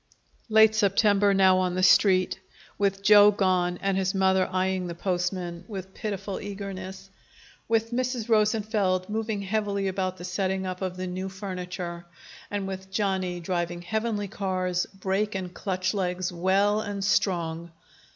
Late September now on the Street, with Joe gone and his mother eyeing the postman with pitiful eagerness; with Mrs. Rosenfeld moving heavily about the setting up of the new furniture; and with Johnny driving heavenly cars, brake and clutch legs well and Strong.